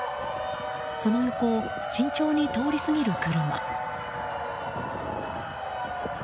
その横を慎重に通り過ぎる車。